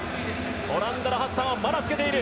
オランダのハッサンまだつけている。